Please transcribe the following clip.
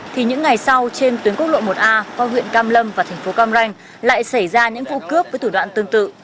thì những ngày sau trên tuyến quốc lộ một a qua huyện cam lâm và thành phố cam ranh lại xảy ra những vụ cướp với thủ đoạn tương tự